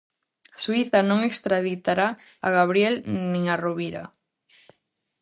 Suíza non extraditará a Gabriel nin a Rovira.